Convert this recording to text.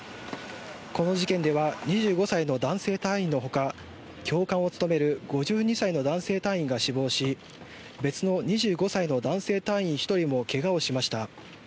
この事件では２５歳の男性隊員のほか教官を務める５２歳の男性隊員が死亡し別の２５歳の男性隊員１人も怪我をしました。